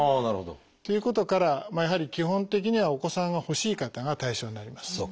なるほど。ということからやはり基本的にはお子さんが欲しい方が対象になります。